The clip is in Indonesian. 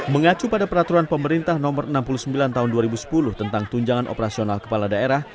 mengacu pada peraturan pemerintah nomor enam puluh sembilan tahun dua ribu sepuluh tentang tunjangan operasional kepala daerah